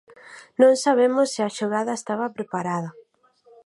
Non sabemos se a xogada estaba preparada.